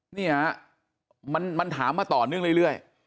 นี่ฮะมันถามมาต่อเนื่องเรื่อย